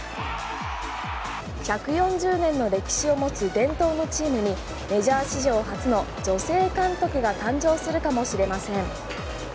１４０年の歴史を持つ伝統のチームに史上初の女性監督が誕生するかもしれません。